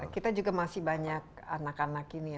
kita juga masih banyak anak anak ini ya